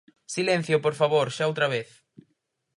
Silencio, por favor, xa outra vez.